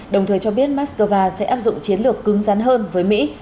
đồng thời cho biết mắc cơ va sẽ áp dụng chiến lược cứng rắn hơn với mỹ